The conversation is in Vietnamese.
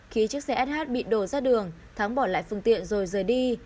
khi chiếc xe sh bị đổ ra đường thắng bỏ lại phương tiện rồi rời đi